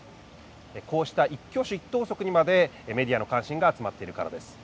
こうした、一挙手一投足にまでメディアの関心が集まっているからです。